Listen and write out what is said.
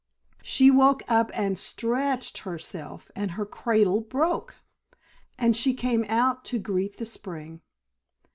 She woke up and stretched herself, and her cradle broke, and she came out to greet the Spring.